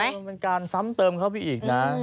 มันเป็นการซ้ำเติมเข้าไปอีกนะ